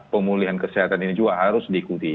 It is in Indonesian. pemulihan kesehatan ini juga harus diikuti